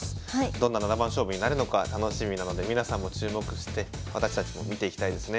どんな七番勝負になるのか楽しみなので皆さんも注目して私たちも見ていきたいですね。